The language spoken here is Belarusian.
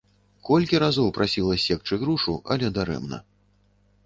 Колькі разоў прасіла ссекчы грушу, але дарэмна.